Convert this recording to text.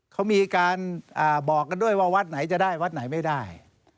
เขามีการบอกกันด้วยว่าวัดไหนจะได้วัดไหนไม่ได้